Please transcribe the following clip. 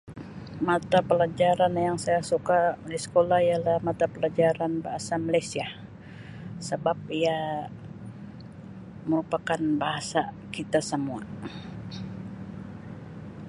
Mata Pelajaran yang saya suka di sekolah ialah mata pelajaran bahasa Malaysia sebab ia merupakan bahasa kita semua.